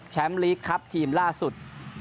แชมป์ลีกครับทีมล่าสุด